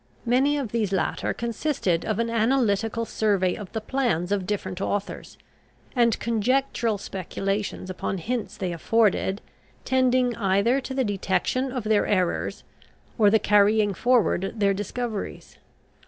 Many of these latter consisted of an analytical survey of the plans of different authors and conjectural speculations upon hints they afforded, tending either to the detection of their errors, or the carrying forward their discoveries.